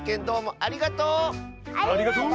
ありがとう！